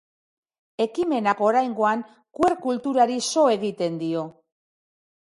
Ekimenak oraingoan queer kulturari so egiten dio.